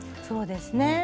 そうですね。